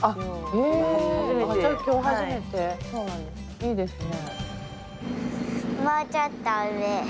いいですね。